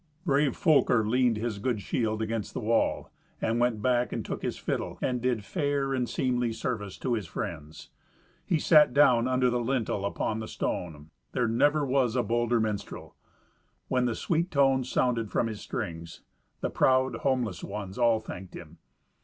Brave Folker leaned his good shield against the wall, and went back and took his fiddle, and did fair and seemly service to his friends. He sat down under the lintel upon the stone. There never was a bolder minstrel. When the sweet tones sounded from his strings, the proud homeless ones all thanked him.